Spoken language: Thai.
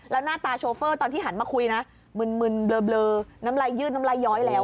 แล้วหน้าตาโชเฟอร์ตอนที่หันมาคุยนะมึนเบลอน้ำลายยืดน้ำลายย้อยแล้ว